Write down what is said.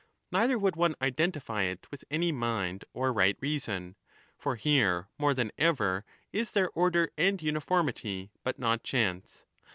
Neither would one identify it with any mind or right reason. For here more than ever is there order and uni formity, but not chance.